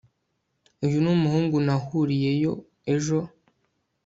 uyu ni umuhungu nahuriyeyo ejo